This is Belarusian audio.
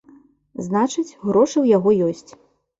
Значыць, грошы ў яго ёсць.